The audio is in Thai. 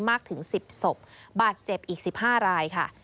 มากถึง๑๐ศพบาดเจ็บอีก๑๕รายค่ะ